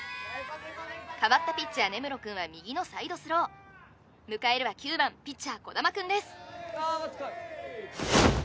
かわったピッチャー根室くんは右のサイドスロー迎えるは９番ピッチャー児玉くんです・さあバッチコイ！